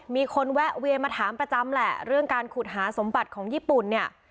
มีคนแวะเวียนมาถามประจำแหละเรื่องการขุดหาสมบัติของญี่ปุ่นเนี่ย